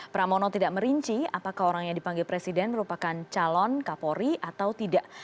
pramono tidak merinci apakah orang yang dipanggil presiden merupakan calon kapolri atau tidak